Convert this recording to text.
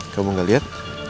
kamu gak liat